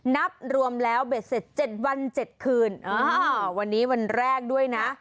นับรวมแล้วเบ็ดเสร็จ๗วัน๗คืนวันนี้วันแรกด้วยนะ